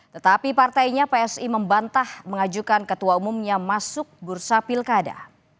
tetapi partainya psi membantah mengajukan ketua umumnya masuk bursa pilkada